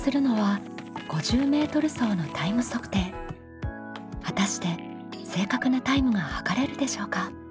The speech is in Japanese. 果たして正確なタイムが測れるでしょうか？